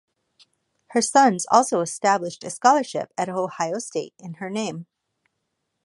Her sons also established a scholarship at Ohio State in her name.